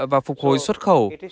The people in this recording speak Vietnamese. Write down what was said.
và phục hồi xuất khẩu